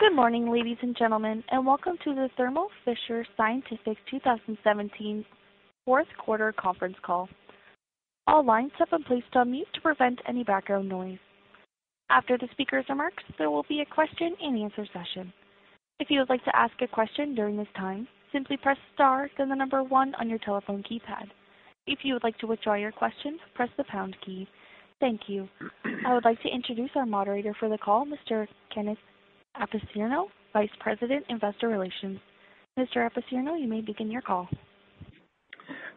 Good morning, ladies and gentlemen, welcome to the Thermo Fisher Scientific 2017 fourth quarter conference call. All lines have been placed on mute to prevent any background noise. After the speaker's remarks, there will be a question and answer session. If you would like to ask a question during this time, simply press star, then the number one on your telephone keypad. If you would like to withdraw your question, press the pound key. Thank you. I would like to introduce our moderator for the call, Mr. Kenneth Apicerno, Vice President, Investor Relations. Mr. Apicerno, you may begin your call.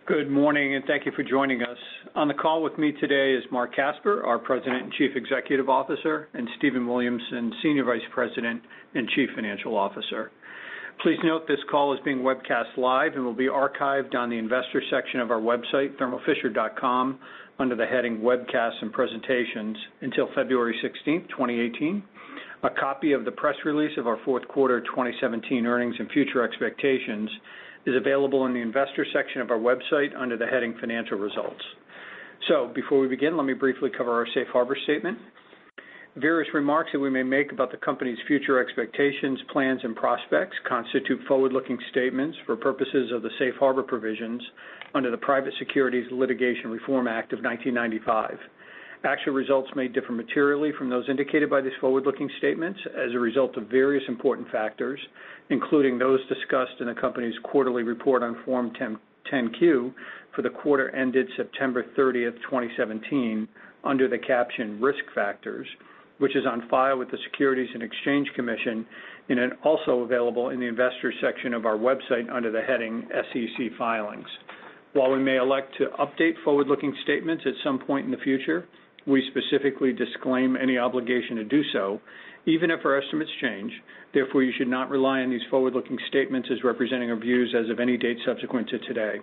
Good morning, thank you for joining us. On the call with me today is Marc Casper, our President and Chief Executive Officer, and Stephen Williamson, Senior Vice President and Chief Financial Officer. Please note this call is being webcast live and will be archived on the investor section of our website, thermofisher.com, under the heading Webcasts and Presentations until February 16th, 2018. A copy of the press release of our fourth quarter 2017 earnings and future expectations is available in the Investor section of our website under the heading Financial Results. Before we begin, let me briefly cover our safe harbor statement. Various remarks that we may make about the company's future expectations, plans, and prospects constitute forward-looking statements for purposes of the safe harbor provisions under the Private Securities Litigation Reform Act of 1995. Actual results may differ materially from those indicated by these forward-looking statements as a result of various important factors, including those discussed in the company's quarterly report on Form 10-Q for the quarter ended September 30th, 2017, under the caption Risk Factors, which is on file with the Securities and Exchange Commission also available in the Investor section of our website under the heading SEC Filings. While we may elect to update forward-looking statements at some point in the future, we specifically disclaim any obligation to do so even if our estimates change. Therefore, you should not rely on these forward-looking statements as representing our views as of any date subsequent to today.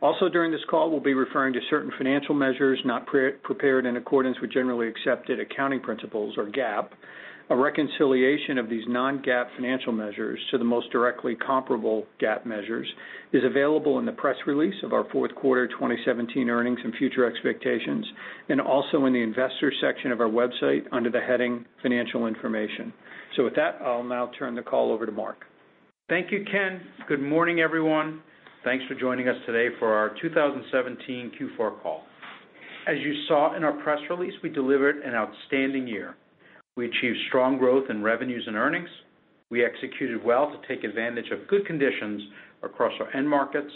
Also during this call, we'll be referring to certain financial measures not prepared in accordance with generally accepted accounting principles, or GAAP. A reconciliation of these non-GAAP financial measures to the most directly comparable GAAP measures is available in the press release of our fourth quarter 2017 earnings and future expectations, and also in the Investor section of our website under the heading Financial Information. With that, I'll now turn the call over to Marc. Thank you, Ken. Good morning, everyone. Thanks for joining us today for our 2017 Q4 call. As you saw in our press release, we delivered an outstanding year. We achieved strong growth in revenues and earnings. We executed well to take advantage of good conditions across our end markets,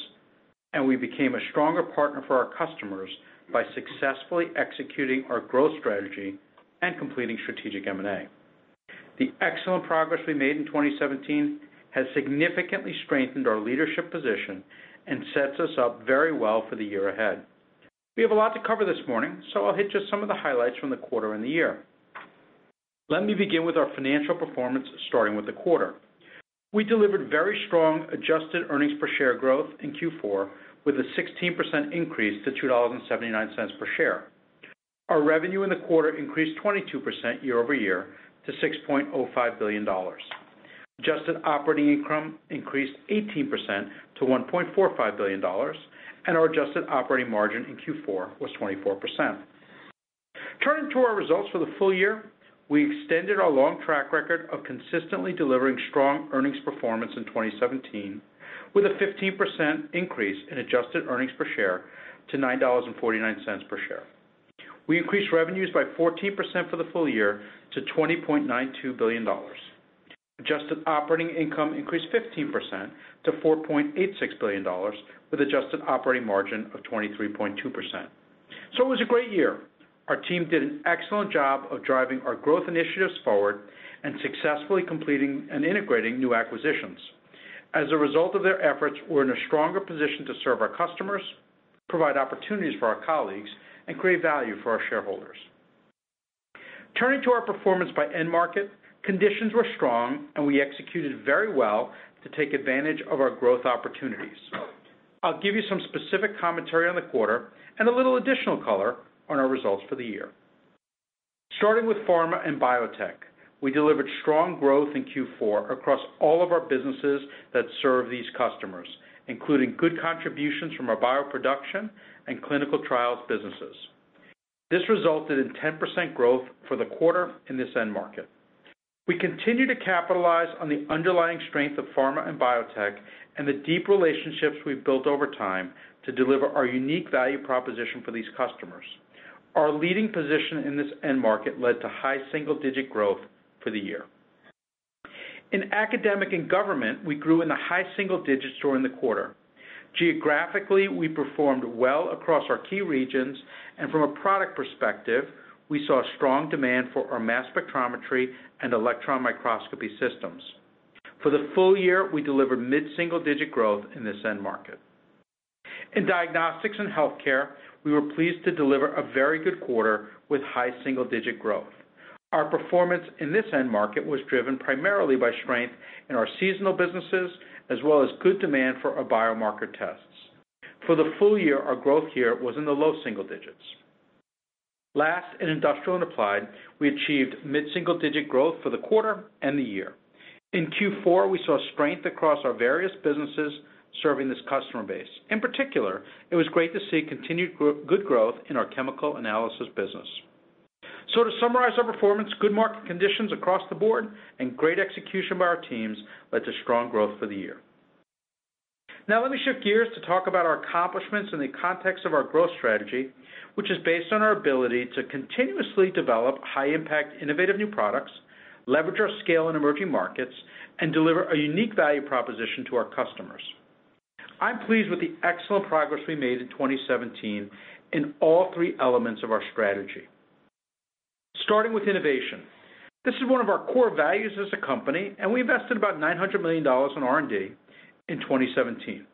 and we became a stronger partner for our customers by successfully executing our growth strategy and completing strategic M&A. The excellent progress we made in 2017 has significantly strengthened our leadership position and sets us up very well for the year ahead. We have a lot to cover this morning, so I'll hit just some of the highlights from the quarter and the year. Let me begin with our financial performance, starting with the quarter. We delivered very strong adjusted earnings per share growth in Q4 with a 16% increase to $2.79 per share. Our revenue in the quarter increased 22% year-over-year to $6.05 billion. Adjusted operating income increased 18% to $1.45 billion. Our adjusted operating margin in Q4 was 24%. Turning to our results for the full year, we extended our long track record of consistently delivering strong earnings performance in 2017 with a 15% increase in adjusted earnings per share to $9.49 per share. We increased revenues by 14% for the full year to $20.92 billion. Adjusted operating income increased 15% to $4.86 billion with adjusted operating margin of 23.2%. It was a great year. Our team did an excellent job of driving our growth initiatives forward and successfully completing and integrating new acquisitions. As a result of their efforts, we're in a stronger position to serve our customers, provide opportunities for our colleagues, and create value for our shareholders. Turning to our performance by end market, conditions were strong. We executed very well to take advantage of our growth opportunities. I'll give you some specific commentary on the quarter and a little additional color on our results for the year. Starting with pharma and biotech, we delivered strong growth in Q4 across all of our businesses that serve these customers, including good contributions from our bioproduction and clinical trials businesses. This resulted in 10% growth for the quarter in this end market. We continue to capitalize on the underlying strength of pharma and biotech and the deep relationships we've built over time to deliver our unique value proposition for these customers. Our leading position in this end market led to high single-digit growth for the year. In academic and government, we grew in the high single digits during the quarter. Geographically, we performed well across our key regions. From a product perspective, we saw strong demand for our mass spectrometry and electron microscopy systems. For the full year, we delivered mid-single digit growth in this end market. In diagnostics and healthcare, we were pleased to deliver a very good quarter with high single-digit growth. Our performance in this end market was driven primarily by strength in our seasonal businesses, as well as good demand for our biomarker tests. For the full year, our growth here was in the low single digits. Last, in industrial and applied, we achieved mid-single digit growth for the quarter and the year. In Q4, we saw strength across our various businesses serving this customer base. In particular, it was great to see continued good growth in our chemical analysis business. To summarize our performance, good market conditions across the board and great execution by our teams led to strong growth for the year. Let me shift gears to talk about our accomplishments in the context of our growth strategy, which is based on our ability to continuously develop high-impact, innovative new products, leverage our scale in emerging markets, and deliver a unique value proposition to our customers. I am pleased with the excellent progress we made in 2017 in all three elements of our strategy. Starting with innovation. This is one of our core values as a company, and we invested about $900 million in R&D in 2017.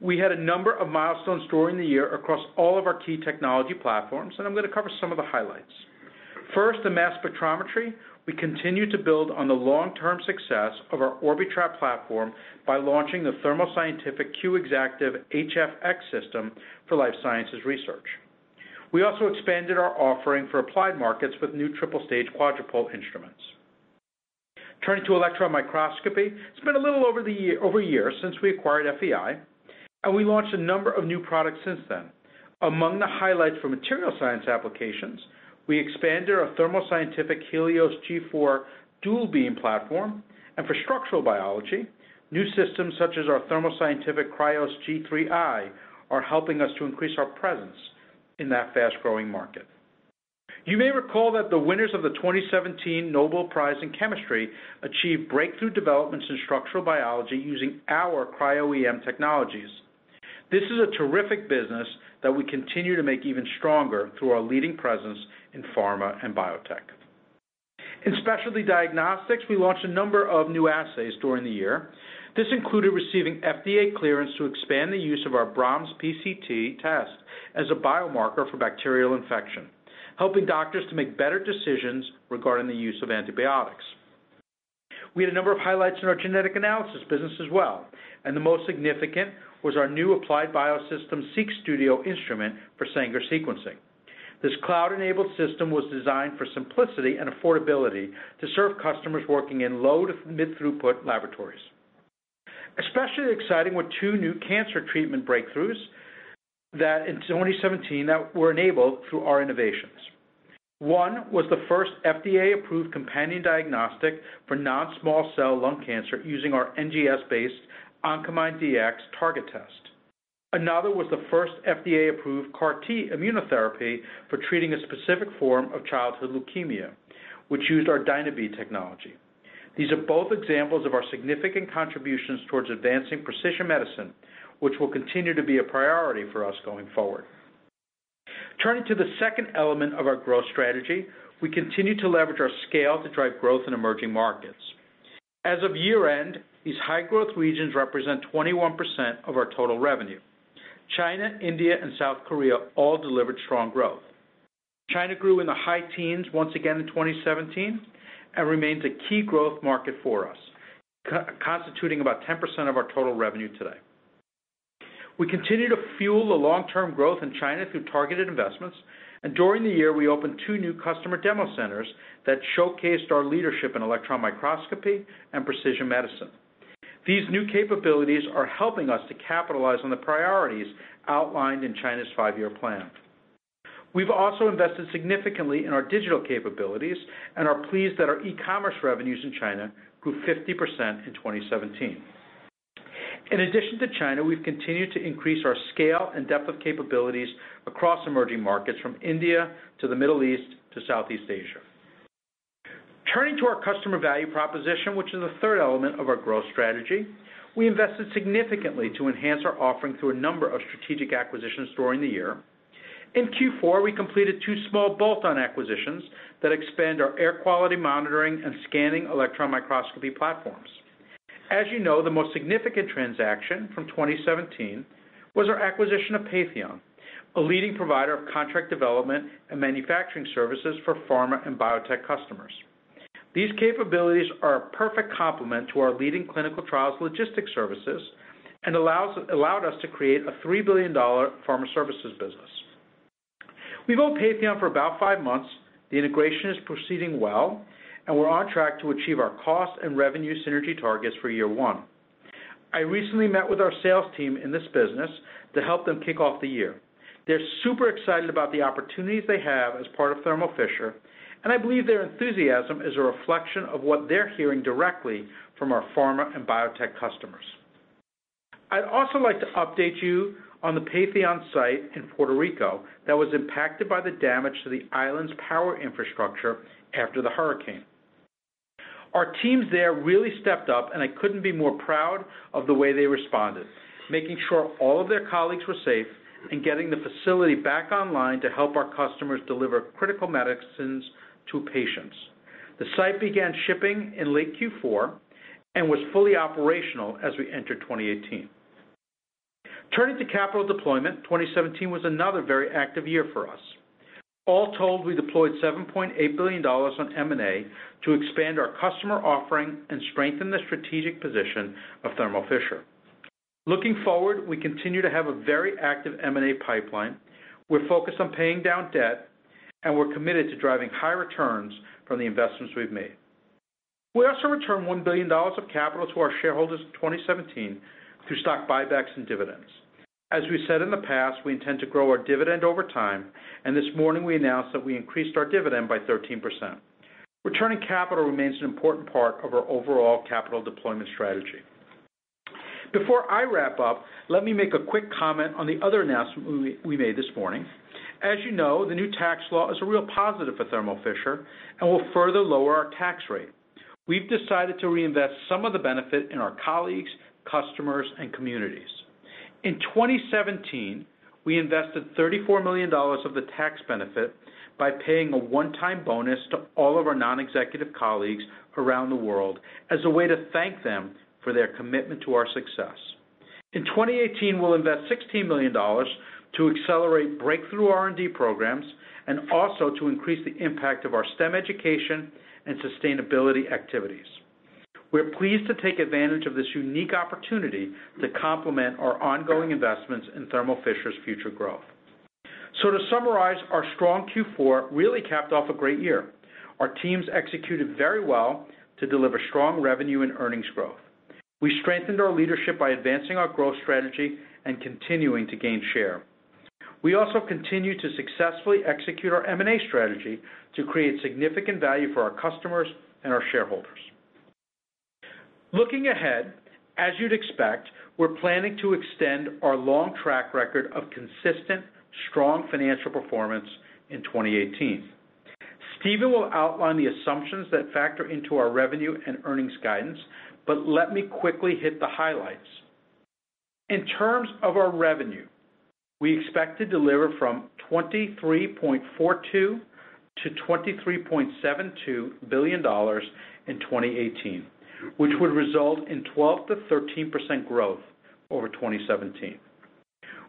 We had a number of milestones during the year across all of our key technology platforms. I am going to cover some of the highlights. First, in mass spectrometry, we continued to build on the long-term success of our Orbitrap platform by launching the Thermo Scientific Q Exactive HF-X system for life sciences research. We also expanded our offering for applied markets with new triple-stage quadrupole instruments. Turning to electron microscopy. It has been a little over a year since we acquired FEI. We launched a number of new products since then. Among the highlights for material science applications, we expanded our Thermo Scientific Helios G4 dual beam platform. For structural biology, new systems such as our Thermo Scientific Krios G3i are helping us to increase our presence in that fast-growing market. You may recall that the winners of the 2017 Nobel Prize in Chemistry achieved breakthrough developments in structural biology using our Cryo-EM technologies. This is a terrific business that we continue to make even stronger through our leading presence in pharma and biotech. In Specialty Diagnostics, we launched a number of new assays during the year. This included receiving FDA clearance to expand the use of our BRAHMS PCT test as a biomarker for bacterial infection, helping doctors to make better decisions regarding the use of antibiotics. We had a number of highlights in our genetic analysis business as well. The most significant was our new Applied Biosystems SeqStudio instrument for Sanger sequencing. This cloud-enabled system was designed for simplicity and affordability to serve customers working in low- to mid-throughput laboratories. Especially exciting were two new cancer treatment breakthroughs in 2017 that were enabled through our innovations. One was the first FDA-approved companion diagnostic for non-small cell lung cancer using our NGS-based Oncomine Dx Target Test. Another was the first FDA-approved CAR T immunotherapy for treating a specific form of childhood leukemia, which used our Dynabeads technology. These are both examples of our significant contributions towards advancing precision medicine, which will continue to be a priority for us going forward. Turning to the second element of our growth strategy, we continue to leverage our scale to drive growth in emerging markets. As of year-end, these high-growth regions represent 21% of our total revenue. China, India, and South Korea all delivered strong growth. China grew in the high teens once again in 2017 and remains a key growth market for us, constituting about 10% of our total revenue today. We continue to fuel the long-term growth in China through targeted investments. During the year, we opened two new customer demo centers that showcased our leadership in electron microscopy and precision medicine. These new capabilities are helping us to capitalize on the priorities outlined in China's five-year plan. We've also invested significantly in our digital capabilities and are pleased that our e-commerce revenues in China grew 50% in 2017. In addition to China, we've continued to increase our scale and depth of capabilities across emerging markets from India to the Middle East to Southeast Asia. Turning to our customer value proposition, which is the third element of our growth strategy, we invested significantly to enhance our offering through a number of strategic acquisitions during the year. In Q4, we completed two small bolt-on acquisitions that expand our air quality monitoring and scanning electron microscopy platforms. As you know, the most significant transaction from 2017 was our acquisition of Patheon, a leading provider of contract development and manufacturing services for pharma and biotech customers. These capabilities are a perfect complement to our leading clinical trials logistics services. Allowed us to create a $3 billion pharma services business. We've owned Patheon for about five months. The integration is proceeding well. We're on track to achieve our cost and revenue synergy targets for year one. I recently met with our sales team in this business to help them kick off the year. They're super excited about the opportunities they have as part of Thermo Fisher, and I believe their enthusiasm is a reflection of what they're hearing directly from our pharma and biotech customers. I'd also like to update you on the Patheon site in Puerto Rico that was impacted by the damage to the island's power infrastructure after the hurricane. Our teams there really stepped up. I couldn't be more proud of the way they responded, making sure all of their colleagues were safe and getting the facility back online to help our customers deliver critical medicines to patients. The site began shipping in late Q4 and was fully operational as we entered 2018. Turning to capital deployment, 2017 was another very active year for us. All told, we deployed $7.8 billion on M&A to expand our customer offering and strengthen the strategic position of Thermo Fisher. Looking forward, we continue to have a very active M&A pipeline. We're focused on paying down debt. We're committed to driving high returns from the investments we've made. We also returned $1 billion of capital to our shareholders in 2017 through stock buybacks and dividends. As we said in the past, we intend to grow our dividend over time. This morning we announced that we increased our dividend by 13%. Returning capital remains an important part of our overall capital deployment strategy. Before I wrap up, let me make a quick comment on the other announcement we made this morning. As you know, the new tax law is a real positive for Thermo Fisher and will further lower our tax rate. We've decided to reinvest some of the benefit in our colleagues, customers, and communities. In 2017, we invested $34 million of the tax benefit by paying a one-time bonus to all of our non-executive colleagues around the world as a way to thank them for their commitment to our success. In 2018, we will invest $16 million to accelerate breakthrough R&D programs and also to increase the impact of our STEM education and sustainability activities. We are pleased to take advantage of this unique opportunity to complement our ongoing investments in Thermo Fisher's future growth. To summarize, our strong Q4 really capped off a great year. Our teams executed very well to deliver strong revenue and earnings growth. We strengthened our leadership by advancing our growth strategy and continuing to gain share. We also continue to successfully execute our M&A strategy to create significant value for our customers and our shareholders. Looking ahead, as you would expect, we are planning to extend our long track record of consistent, strong financial performance in 2018. Stephen will outline the assumptions that factor into our revenue and earnings guidance, but let me quickly hit the highlights. In terms of our revenue, we expect to deliver from $23.42 billion-$23.72 billion in 2018, which would result in 12%-13% growth over 2017.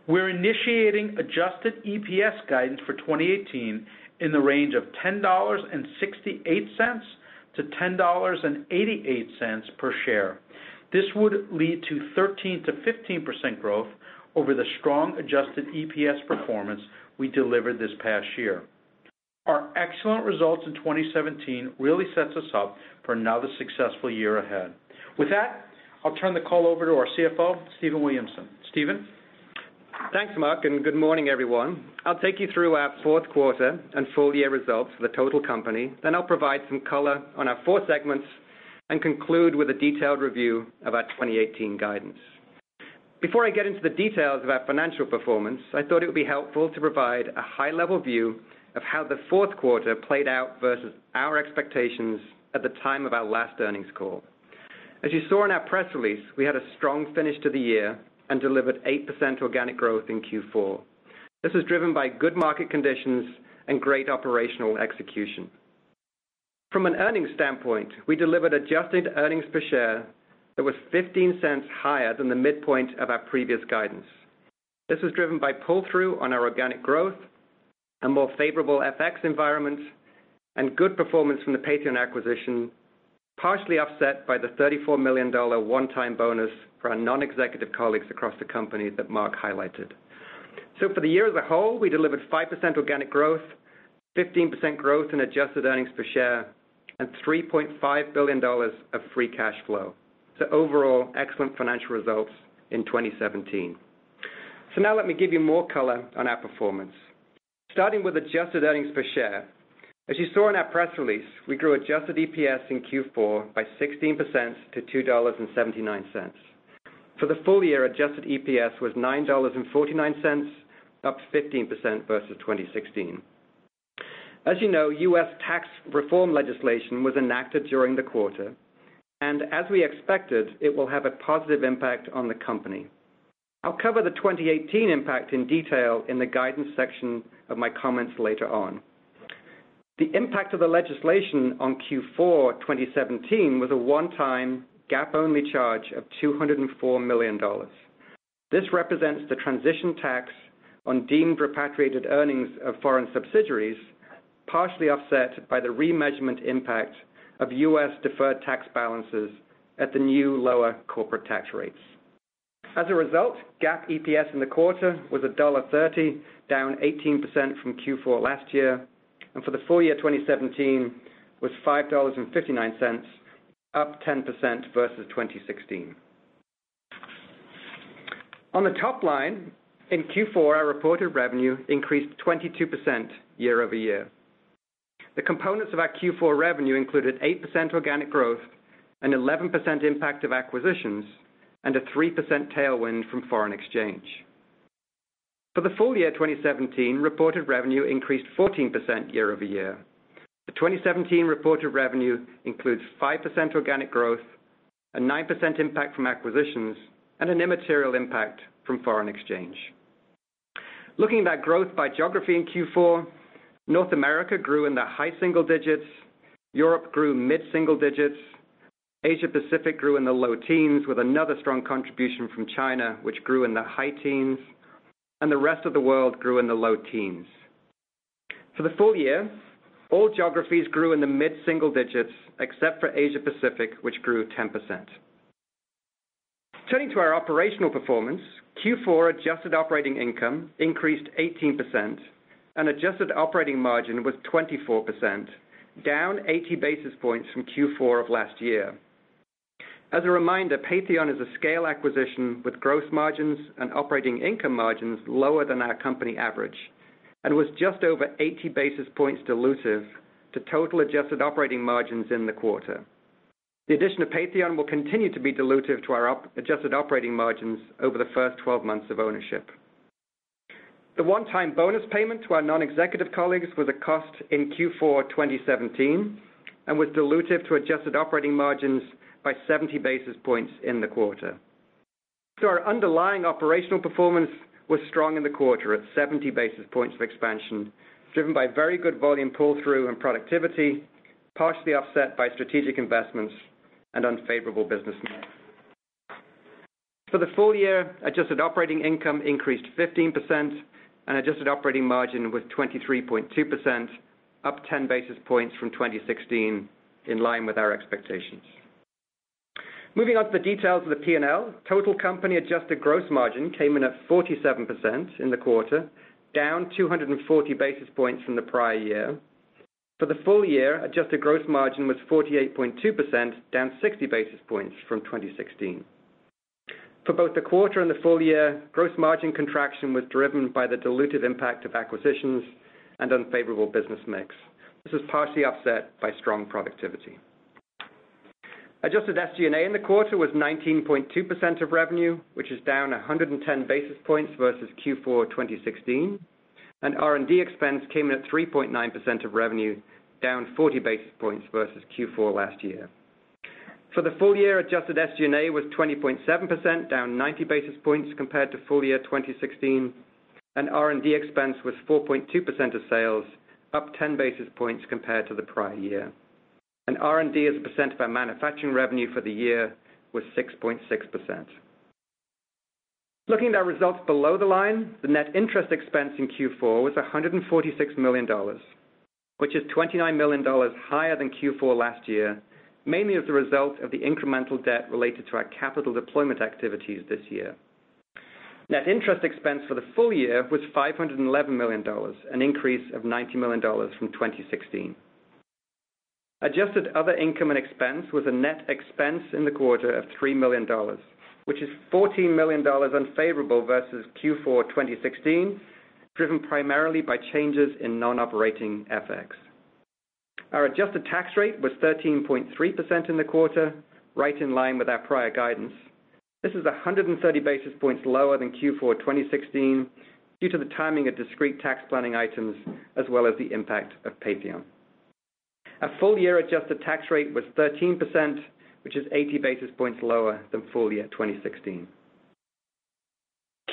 We are initiating adjusted EPS guidance for 2018 in the range of $10.68-$10.88 per share. This would lead to 13%-15% growth over the strong adjusted EPS performance we delivered this past year. Our excellent results in 2017 really sets us up for another successful year ahead. With that, I will turn the call over to our CFO, Stephen Williamson. Stephen? Thanks, Marc, and good morning, everyone. I will take you through our fourth quarter and full year results for the total company, then I will provide some color on our four segments and conclude with a detailed review of our 2018 guidance. Before I get into the details of our financial performance, I thought it would be helpful to provide a high-level view of how the fourth quarter played out versus our expectations at the time of our last earnings call. As you saw in our press release, we had a strong finish to the year and delivered 8% organic growth in Q4. This was driven by good market conditions and great operational execution. From an earnings standpoint, we delivered adjusted earnings per share that was $0.15 higher than the midpoint of our previous guidance. This was driven by pull-through on our organic growth, a more favorable FX environment, and good performance from the Patheon acquisition, partially offset by the $34 million one-time bonus for our non-executive colleagues across the company that Marc highlighted. For the year as a whole, we delivered 5% organic growth, 15% growth in adjusted earnings per share, and $3.5 billion of free cash flow. Overall, excellent financial results in 2017. Now let me give you more color on our performance. Starting with adjusted earnings per share, as you saw in our press release, we grew adjusted EPS in Q4 by 16% to $2.79. For the full year, adjusted EPS was $9.49, up 15% versus 2016. As you know, U.S. tax reform legislation was enacted during the quarter, and as we expected, it will have a positive impact on the company. I'll cover the 2018 impact in detail in the guidance section of my comments later on. The impact of the legislation on Q4 2017 was a one-time GAAP-only charge of $204 million. This represents the transition tax on deemed repatriated earnings of foreign subsidiaries, partially offset by the remeasurement impact of U.S. deferred tax balances at the new lower corporate tax rates. As a result, GAAP EPS in the quarter was $1.30, down 18% from Q4 last year, and for the full year 2017 was $5.59, up 10% versus 2016. On the top line, in Q4, our reported revenue increased 22% year-over-year. The components of our Q4 revenue included 8% organic growth, an 11% impact of acquisitions, and a 3% tailwind from foreign exchange. For the full year 2017, reported revenue increased 14% year-over-year. The 2017 reported revenue includes 5% organic growth, a 9% impact from acquisitions, and an immaterial impact from foreign exchange. Looking at growth by geography in Q4, North America grew in the high single digits, Europe grew mid-single digits, Asia Pacific grew in the low teens with another strong contribution from China, which grew in the high teens, and the rest of the world grew in the low teens. For the full year, all geographies grew in the mid-single digits except for Asia Pacific, which grew 10%. Turning to our operational performance, Q4 adjusted operating income increased 18%, and adjusted operating margin was 24%, down 80 basis points from Q4 of last year. As a reminder, Patheon is a scale acquisition with gross margins and operating income margins lower than our company average, and was just over 80 basis points dilutive to total adjusted operating margins in the quarter. The addition of Patheon will continue to be dilutive to our adjusted operating margins over the first 12 months of ownership. The one-time bonus payment to our non-executive colleagues was a cost in Q4 2017 and was dilutive to adjusted operating margins by 70 basis points in the quarter. Our underlying operational performance was strong in the quarter at 70 basis points of expansion, driven by very good volume pull-through and productivity, partially offset by strategic investments and unfavorable business mix. For the full year, adjusted operating income increased 15% and adjusted operating margin was 23.2%, up 10 basis points from 2016, in line with our expectations. Moving on to the details of the P&L, total company adjusted gross margin came in at 47% in the quarter, down 240 basis points from the prior year. For the full year, adjusted gross margin was 48.2%, down 60 basis points from 2016. For both the quarter and the full year, gross margin contraction was driven by the dilutive impact of acquisitions and unfavorable business mix. This was partially offset by strong productivity. Adjusted SG&A in the quarter was 19.2% of revenue, which is down 110 basis points versus Q4 2016, and R&D expense came in at 3.9% of revenue, down 40 basis points versus Q4 last year. For the full year, adjusted SG&A was 20.7%, down 90 basis points compared to full year 2016, and R&D expense was 4.2% of sales, up 10 basis points compared to the prior year. R&D as a percent of our manufacturing revenue for the year was 6.6%. Looking at our results below the line, the net interest expense in Q4 was $146 million, which is $29 million higher than Q4 last year, mainly as a result of the incremental debt related to our capital deployment activities this year. Net interest expense for the full year was $511 million, an increase of $90 million from 2016. Adjusted other income and expense was a net expense in the quarter of $3 million, which is $14 million unfavorable versus Q4 2016, driven primarily by changes in non-operating FX. Our adjusted tax rate was 13.3% in the quarter, right in line with our prior guidance. This is 130 basis points lower than Q4 2016 due to the timing of discrete tax planning items as well as the impact of Patheon. Our full-year adjusted tax rate was 13%, which is 80 basis points lower than full year 2016.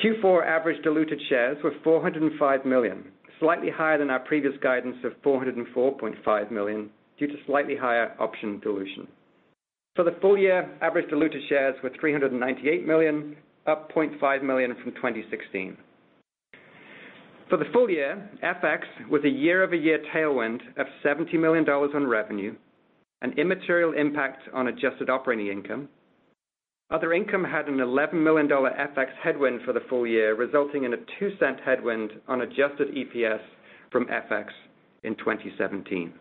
Q4 average diluted shares were 405 million, slightly higher than our previous guidance of 404.5 million due to slightly higher option dilution. For the full year, average diluted shares were 398 million, up 0.5 million from 2016. For the full year, FX was a year-over-year tailwind of $70 million on revenue, an immaterial impact on adjusted operating income. Other income had an $11 million FX headwind for the full year, resulting in a $0.02 headwind on adjusted EPS from FX in 2017.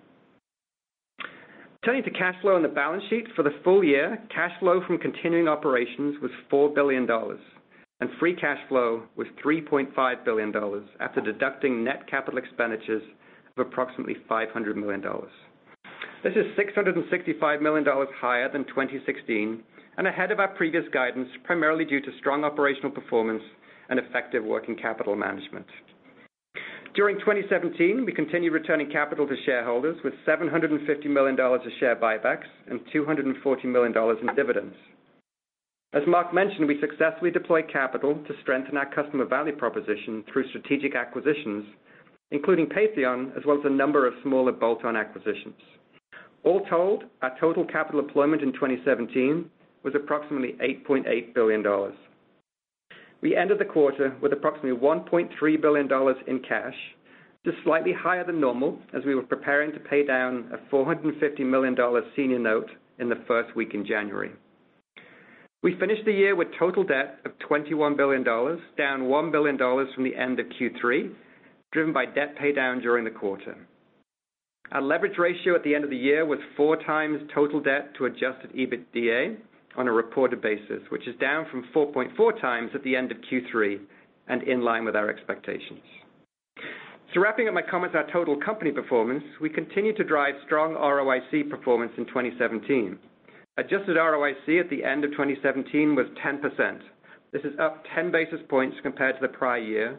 Turning to cash flow and the balance sheet, for the full year, cash flow from continuing operations was $4 billion and free cash flow was $3.5 billion after deducting net capital expenditures of approximately $500 million. This is $665 million higher than 2016 and ahead of our previous guidance, primarily due to strong operational performance and effective working capital management. During 2017, we continued returning capital to shareholders with $750 million of share buybacks and $240 million in dividends. As Marc mentioned, we successfully deployed capital to strengthen our customer value proposition through strategic acquisitions, including Patheon, as well as a number of smaller bolt-on acquisitions. All told, our total capital deployment in 2017 was approximately $8.8 billion. We ended the quarter with approximately $1.3 billion in cash, just slightly higher than normal as we were preparing to pay down a $450 million senior note in the first week in January. We finished the year with total debt of $21 billion, down $1 billion from the end of Q3, driven by debt paydown during the quarter. Our leverage ratio at the end of the year was 4 times total debt to adjusted EBITDA on a reported basis, which is down from 4.4 times at the end of Q3 and in line with our expectations. Wrapping up my comments on total company performance, we continued to drive strong ROIC performance in 2017. Adjusted ROIC at the end of 2017 was 10%. This is up 10 basis points compared to the prior year,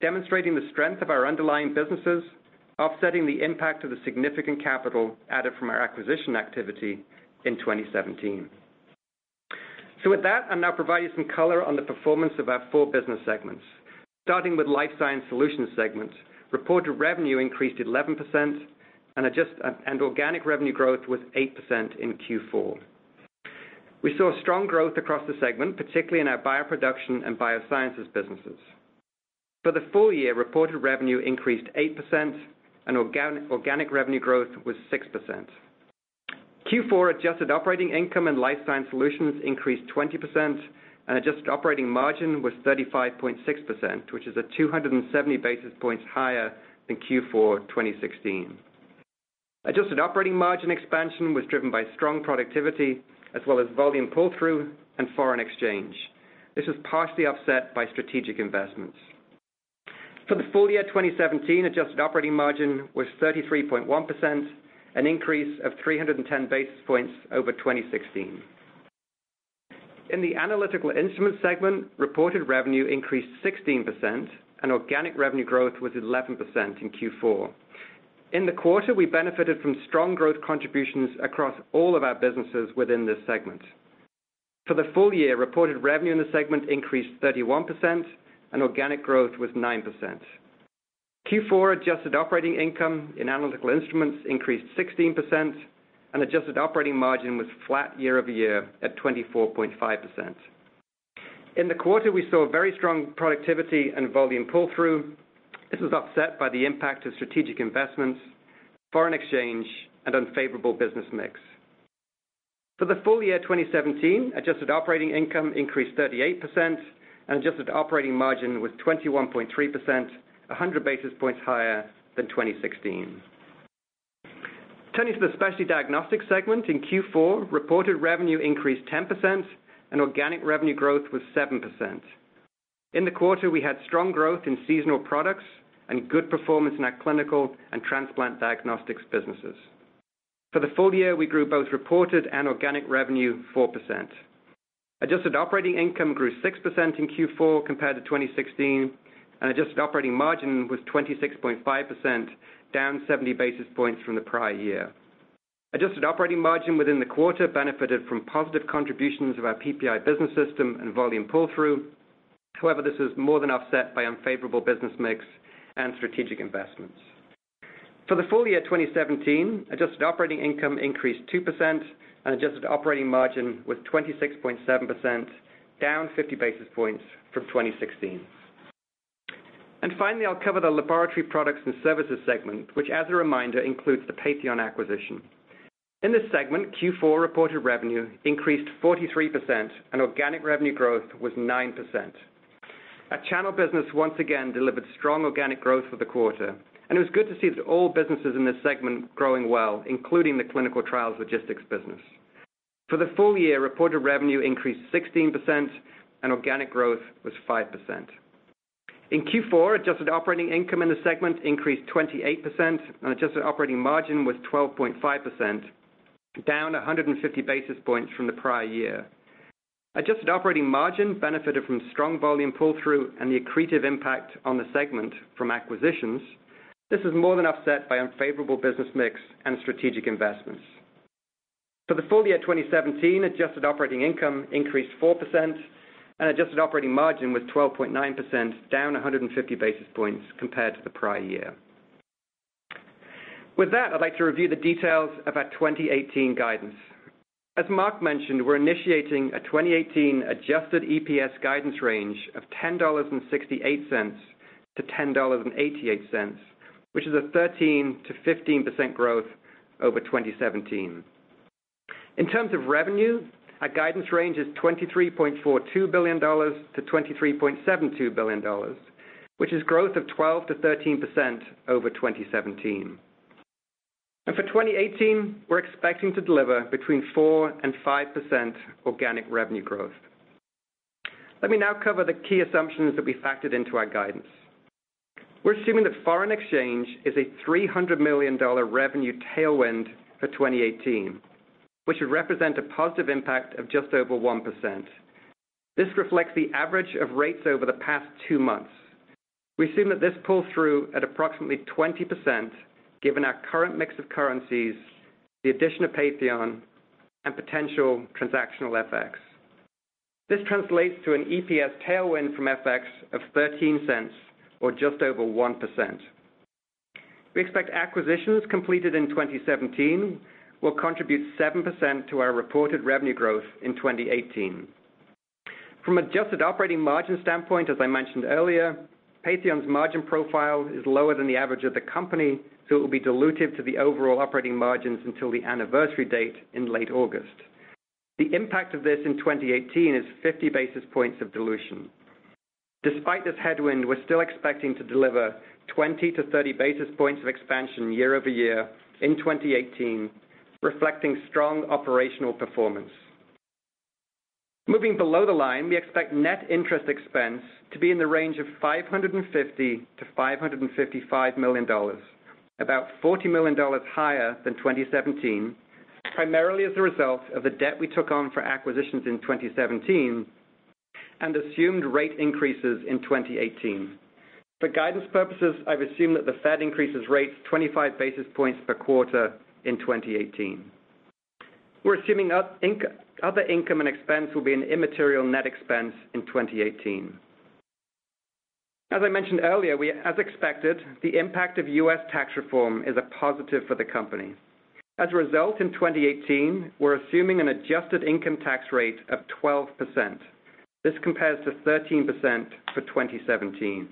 demonstrating the strength of our underlying businesses, offsetting the impact of the significant capital added from our acquisition activity in 2017. With that, I'll now provide you some color on the performance of our 4 business segments. Starting with Life Science Solutions segment, reported revenue increased 11% and organic revenue growth was 8% in Q4. We saw strong growth across the segment, particularly in our bioproduction and biosciences businesses. For the full year, reported revenue increased 8%, and organic revenue growth was 6%. Q4 adjusted operating income in Life Sciences Solutions increased 20%, and adjusted operating margin was 35.6%, which is 270 basis points higher than Q4 2016. Adjusted operating margin expansion was driven by strong productivity as well as volume pull-through and foreign exchange. This was partially offset by strategic investments. For the full year 2017, adjusted operating margin was 33.1%, an increase of 310 basis points over 2016. In the Analytical Instrument segment, reported revenue increased 16%, and organic revenue growth was 11% in Q4. In the quarter, we benefited from strong growth contributions across all of our businesses within this segment. For the full year, reported revenue in the segment increased 31%, and organic growth was 9%. Q4 adjusted operating income Analytical Instruments increased 16%, and adjusted operating margin was flat year-over-year at 24.5%. This was offset by the impact of strategic investments, foreign exchange, and unfavorable business mix. For the full year 2017, adjusted operating income increased 38%, and adjusted operating margin was 21.3%, 100 basis points higher than 2016. Turning to the Specialty Diagnostics segment. In Q4, reported revenue increased 10%, and organic revenue growth was 7%. In the quarter, we had strong growth in seasonal products and good performance in our clinical and transplant diagnostics businesses. For the full year, we grew both reported and organic revenue 4%. Adjusted operating income grew 6% in Q4 compared to 2016, and adjusted operating margin was 26.5%, down 70 basis points from the prior year. Adjusted operating margin within the quarter benefited from positive contributions of our PPI business system and volume pull-through. This was more than offset by unfavorable business mix and strategic investments. For the full year 2017, adjusted operating income increased 2%, and adjusted operating margin was 26.7%, down 50 basis points from 2016. Finally, I'll cover the Laboratory Products and Services segment, which as a reminder, includes the Patheon acquisition. In this segment, Q4 reported revenue increased 43%, and organic revenue growth was 9%. Our channel business once again delivered strong organic growth for the quarter, and it was good to see that all businesses in this segment growing well, including the clinical trials logistics business. For the full year, reported revenue increased 16%, and organic growth was 5%. In Q4, adjusted operating income in the segment increased 28%, and adjusted operating margin was 12.5%, down 150 basis points from the prior year. Adjusted operating margin benefited from strong volume pull-through and the accretive impact on the segment from acquisitions. This was more than offset by unfavorable business mix and strategic investments. For the full year 2017, adjusted operating income increased 4%, and adjusted operating margin was 12.9%, down 150 basis points compared to the prior year. With that, I'd like to review the details of our 2018 guidance. As Marc mentioned, we're initiating a 2018 adjusted EPS guidance range of $10.68-$10.88, which is 13%-15% growth over 2017. In terms of revenue, our guidance range is $23.42 billion-$23.72 billion, which is growth of 12%-13% over 2017. For 2018, we're expecting to deliver between 4%-5% organic revenue growth. Let me now cover the key assumptions that we factored into our guidance. We're assuming that foreign exchange is a $300 million revenue tailwind for 2018, which would represent a positive impact of just over 1%. This reflects the average of rates over the past two months. We assume that this pulls through at approximately 20% given our current mix of currencies, the addition of Patheon, and potential transactional FX. This translates to an EPS tailwind from FX of $0.13 or just over 1%. We expect acquisitions completed in 2017 will contribute 7% to our reported revenue growth in 2018. From adjusted operating margin standpoint, as I mentioned earlier, Patheon's margin profile is lower than the average of the company, so it will be dilutive to the overall operating margins until the anniversary date in late August. The impact of this in 2018 is 50 basis points of dilution. Despite this headwind, we're still expecting to deliver 20 to 30 basis points of expansion year-over-year in 2018, reflecting strong operational performance. Moving below the line, we expect net interest expense to be in the range of $550 million-$555 million, about $40 million higher than 2017, primarily as a result of the debt we took on for acquisitions in 2017 and assumed rate increases in 2018. For guidance purposes, I've assumed that the Fed increases rates 25 basis points per quarter in 2018. We're assuming other income and expense will be an immaterial net expense in 2018. As I mentioned earlier, as expected, the impact of U.S. tax reform is a positive for the company. As a result, in 2018, we're assuming an adjusted income tax rate of 12%. This compares to 13% for 2017.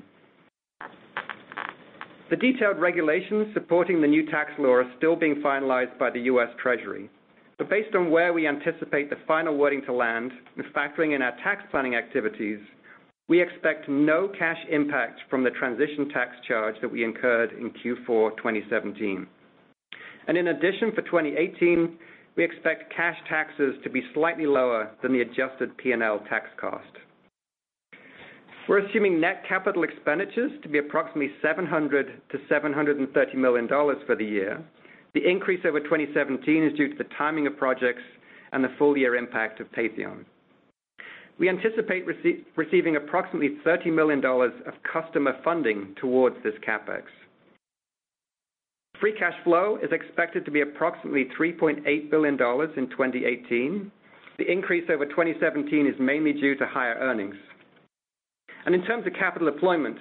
The detailed regulations supporting the new tax law are still being finalized by the U.S. Treasury. Based on where we anticipate the final wording to land, with factoring in our tax planning activities, we expect no cash impact from the transition tax charge that we incurred in Q4 2017. In addition, for 2018, we expect cash taxes to be slightly lower than the adjusted P&L tax cost. We're assuming net capital expenditures to be approximately $700 million-$730 million for the year. The increase over 2017 is due to the timing of projects and the full year impact of Patheon. We anticipate receiving approximately $30 million of customer funding towards this CapEx. Free cash flow is expected to be approximately $3.8 billion in 2018. The increase over 2017 is mainly due to higher earnings. In terms of capital deployment,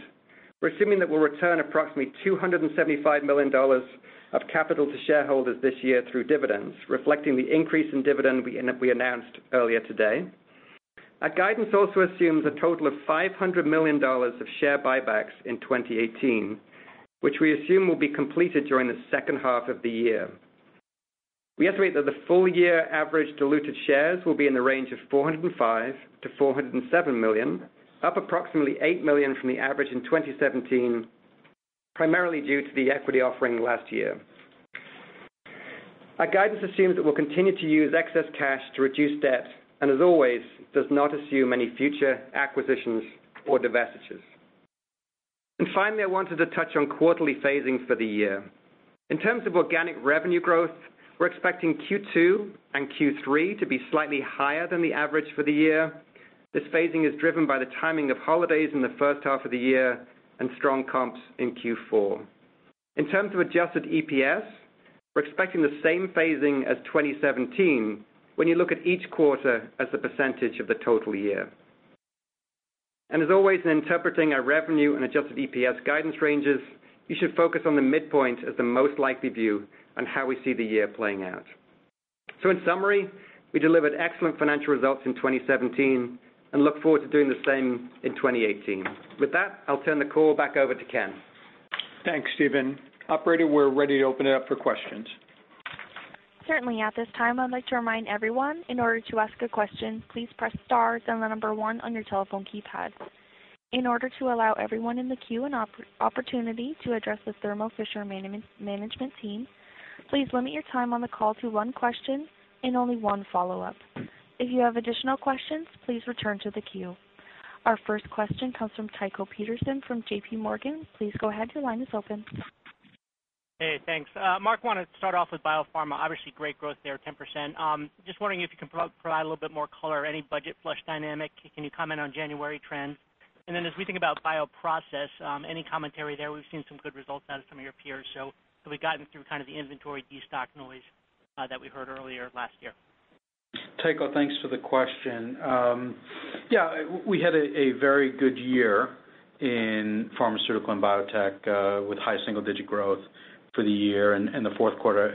we're assuming that we'll return approximately $275 million of capital to shareholders this year through dividends, reflecting the increase in dividend we announced earlier today. Our guidance also assumes a total of $500 million of share buybacks in 2018, which we assume will be completed during the second half of the year. We estimate that the full year average diluted shares will be in the range of 405 million-407 million, up approximately 8 million from the average in 2017, primarily due to the equity offering last year. Our guidance assumes that we'll continue to use excess cash to reduce debt and as always, does not assume any future acquisitions or divestitures. Finally, I wanted to touch on quarterly phasing for the year. In terms of organic revenue growth, we're expecting Q2 and Q3 to be slightly higher than the average for the year. This phasing is driven by the timing of holidays in the first half of the year and strong comps in Q4. In terms of adjusted EPS, we're expecting the same phasing as 2017 when you look at each quarter as a percentage of the total year. As always, in interpreting our revenue and adjusted EPS guidance ranges, you should focus on the midpoint as the most likely view on how we see the year playing out. In summary, we delivered excellent financial results in 2017 and look forward to doing the same in 2018. With that, I'll turn the call back over to Ken. Thanks, Stephen. Operator, we're ready to open it up for questions. Certainly. At this time, I'd like to remind everyone, in order to ask a question, please press star then the number one on your telephone keypad. In order to allow everyone in the queue an opportunity to address the Thermo Fisher management team, please limit your time on the call to one question and only one follow-up. If you have additional questions, please return to the queue. Our first question comes from Tycho Peterson from JPMorgan. Please go ahead, your line is open. Hey, thanks. Marc, I want to start off with biopharma. Obviously, great growth there, 10%. Just wondering if you can provide a little bit more color. Any budget flush dynamic? Can you comment on January trends? Then as we think about bioprocess, any commentary there? We've seen some good results out of some of your peers. Have we gotten through kind of the inventory destock noise that we heard earlier last year? Tycho, thanks for the question. We had a very good year in pharmaceutical and biotech, with high single-digit growth for the year, and the fourth quarter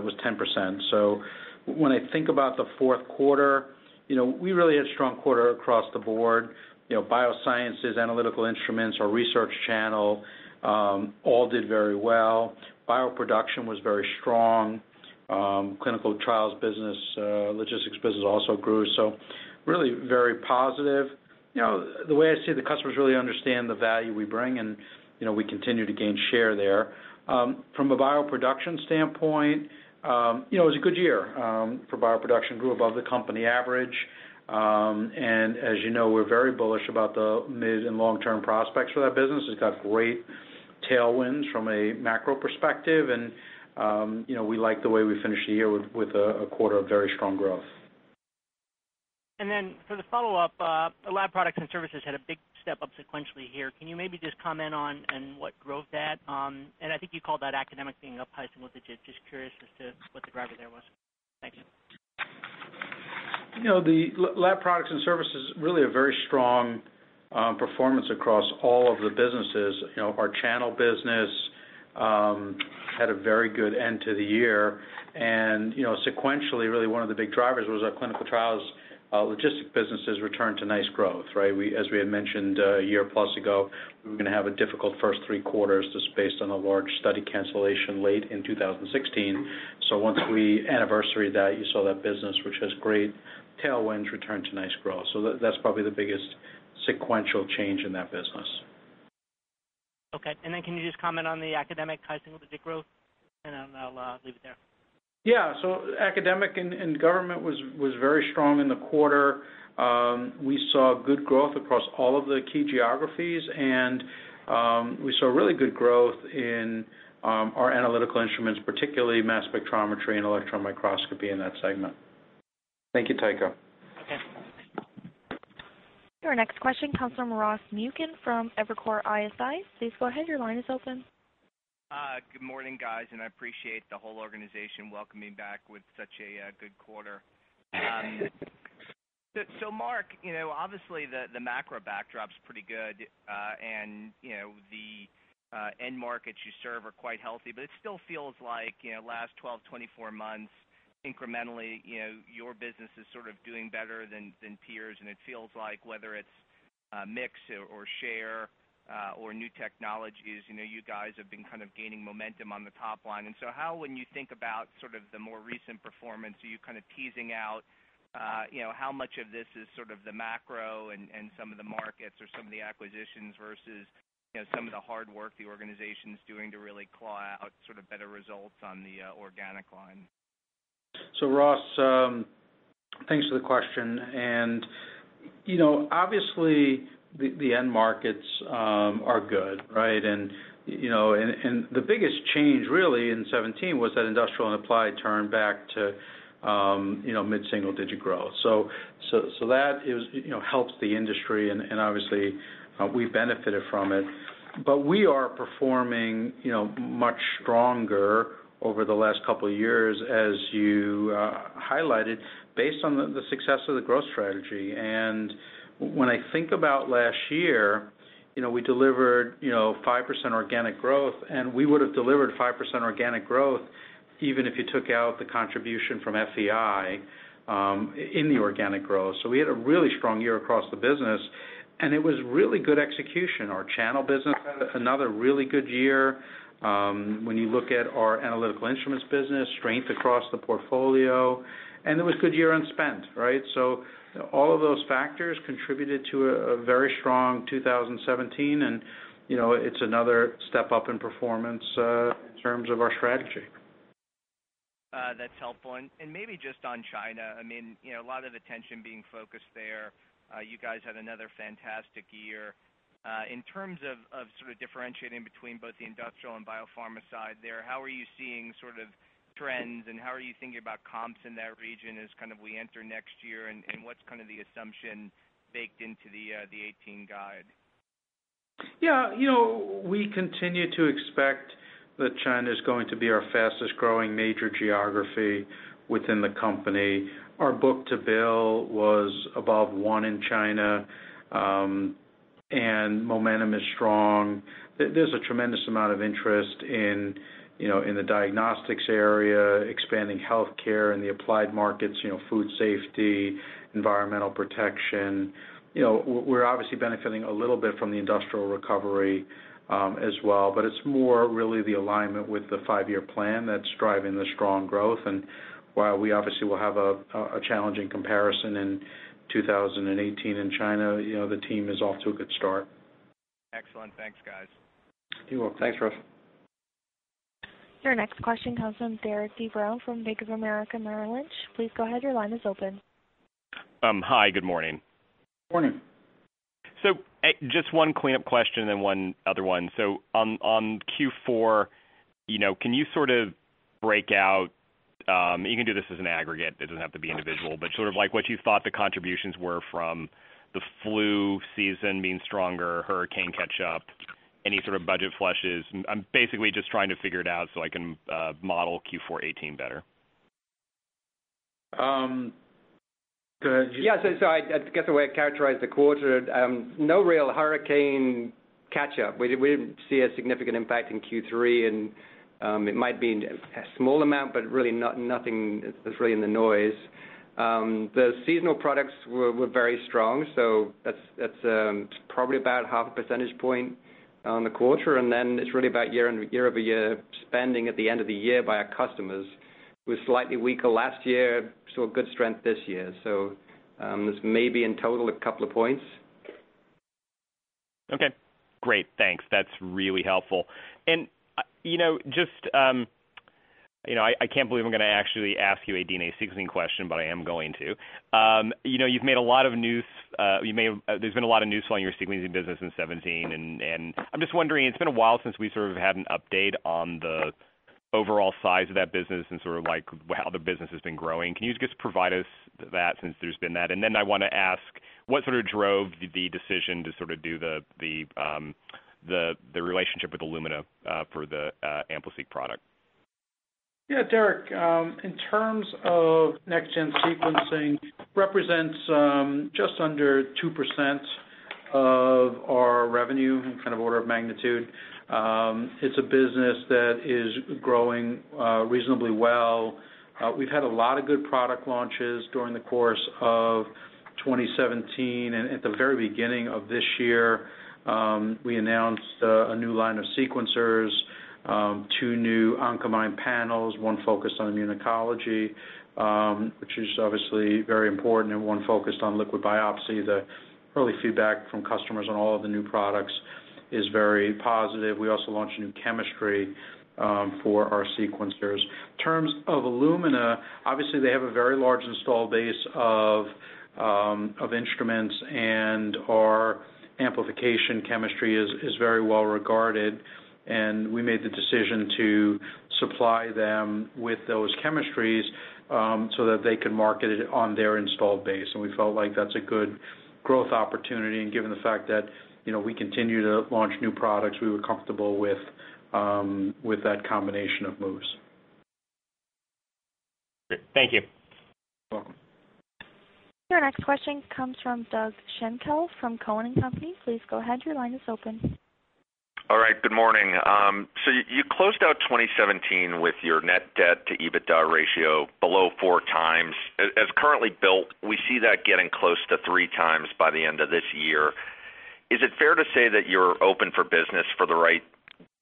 was 10%. When I think about the fourth quarter, we really had a strong quarter across the board. Analytical Instruments, our research channel, all did very well. Bioproduction was very strong. Clinical trials business, logistics business also grew. Really very positive. The way I see it, the customers really understand the value we bring, and we continue to gain share there. From a Bioproduction standpoint, it was a good year for Bioproduction, grew above the company average. As you know, we're very bullish about the mid- and long-term prospects for that business. It's got great tailwinds from a macro perspective, and we like the way we finished the year with a quarter of very strong growth. For the follow-up, Lab Products and Services had a big step up sequentially here. Can you maybe just comment on what drove that? I think you called that academic being up high single digits. Just curious as to what the driver there was. Thank you. The Lab Products and Services really a very strong performance across all of the businesses. Our channel business had a very good end to the year. Sequentially, really one of the big drivers was our clinical trials logistics businesses returned to nice growth, right? As we had mentioned a year-plus ago, we were going to have a difficult first three quarters just based on a large study cancellation late in 2016. Once we anniversary-ed that, you saw that business, which has great tailwinds, return to nice growth. That's probably the biggest sequential change in that business. Okay. Can you just comment on the academic high single-digit growth? I'll leave it there. Yeah. Academic and government was very strong in the quarter. We saw good growth across all of the key geographies and we saw really good growth in Analytical Instruments, particularly mass spectrometry and electron microscopy in that segment. Thank you, Tycho. Okay. Your next question comes from Ross Muken from Evercore ISI. Please go ahead, your line is open. Good morning, guys, and I appreciate the whole organization welcoming me back with such a good quarter. Marc, obviously, the macro backdrop's pretty good, and the end markets you serve are quite healthy. It still feels like last 12, 24 months incrementally, your business is sort of doing better than peers, and it feels like whether it's mix or share, or new technologies, you guys have been kind of gaining momentum on the top line. How, when you think about sort of the more recent performance, are you kind of teasing out how much of this is sort of the macro and some of the markets or some of the acquisitions versus some of the hard work the organization's doing to really claw out better results on the organic line? Ross, thanks for the question. Obviously, the end markets are good, right? The biggest change really in 2017 was that industrial and applied turned back to mid-single digit growth. That helps the industry, and obviously, we benefited from it. We are performing much stronger over the last couple of years, as you highlighted, based on the success of the growth strategy. When I think about last year, we delivered 5% organic growth, and we would've delivered 5% organic growth even if you took out the contribution from FEI in the organic growth. We had a really strong year across the business, and it was really good execution. Our channel business had another really good year. When you look at Analytical Instruments business, strength across the portfolio, and it was a good year on spend, right? All of those factors contributed to a very strong 2017, and it's another step up in performance in terms of our strategy. That's helpful. Maybe just on China, a lot of attention being focused there. You guys had another fantastic year. In terms of differentiating between both the industrial and biopharma side there, how are you seeing trends and how are you thinking about comps in that region as we enter next year, what's the assumption baked into the 2018 guide? We continue to expect that China's going to be our fastest-growing major geography within the company. Our book-to-bill was above one in China, momentum is strong. There's a tremendous amount of interest in the diagnostics area, expanding healthcare in the applied markets, food safety, environmental protection. We're obviously benefiting a little bit from the industrial recovery as well, but it's more really the alignment with the five-year plan that's driving the strong growth. While we obviously will have a challenging comparison in 2018 in China, the team is off to a good start. Excellent. Thanks, guys. You're welcome. Thanks, Ross. Your next question comes from Derik De Bruin from Bank of America Merrill Lynch. Please go ahead, your line is open. Hi, good morning. Morning. Just one cleanup question, then one other one. On Q4, can you sort of break out, you can do this as an aggregate, it doesn't have to be individual, but sort of like what you thought the contributions were from the flu season being stronger, hurricane catch-up, any sort of budget flushes. I'm basically just trying to figure it out so I can model Q4 2018 better. Go ahead, Stephen. Yeah, I guess the way I'd characterize the quarter, no real hurricane catch-up. We didn't see a significant impact in Q3, and it might be a small amount, but really nothing that's really in the noise. The seasonal products were very strong, so that's probably about half a percentage point on the quarter. It's really about year-over-year spending at the end of the year by our customers. It was slightly weaker last year, saw good strength this year. There's maybe in total a couple of points. Okay, great. Thanks. That's really helpful. I can't believe I'm going to actually ask you a DNA sequencing question, I am going to. There's been a lot of news on your sequencing business in 2017, I'm just wondering, it's been a while since we sort of had an update on the overall size of that business and how the business has been growing. Can you just provide us that, since there's been that? I want to ask, what drove the decision to do the relationship with Illumina for the AmpliSeq product? Yeah, Derik, in terms of next-gen sequencing, represents just under 2% of our revenue, kind of order of magnitude. It's a business that is growing reasonably well. We've had a lot of good product launches during the course of 2017. At the very beginning of this year, we announced a new line of sequencers, two new Oncomine panels, one focused on immunology, which is obviously very important, and one focused on liquid biopsy. The early feedback from customers on all of the new products is very positive. We also launched a new chemistry for our sequencers. In terms of Illumina, obviously, they have a very large install base of instruments. Our amplification chemistry is very well-regarded, we made the decision to supply them with those chemistries so that they can market it on their installed base. We felt like that's a good growth opportunity, and given the fact that we continue to launch new products, we were comfortable with that combination of moves. Great. Thank you. You're welcome. Your next question comes from Doug Schenkel from Cowen and Company. Please go ahead, your line is open. Good morning. You closed out 2017 with your net debt to EBITDA ratio below four times. As currently built, we see that getting close to three times by the end of this year. Is it fair to say that you're open for business for the right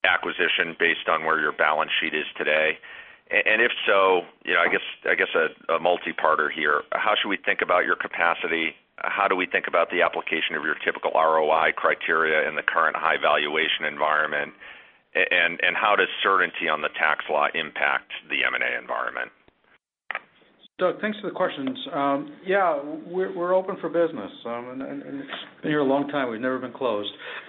acquisition based on where your balance sheet is today? If so, I guess a multi-parter here, how should we think about your capacity? How do we think about the application of your typical ROI criteria in the current high valuation environment? How does certainty on the tax law impact the M&A environment? Doug, thanks for the questions. Yeah, we're open for business. It's been here a long time, we've never been closed. We